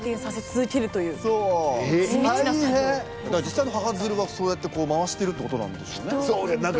実際の母ヅルはそうやって回してるってことなんでしょうね。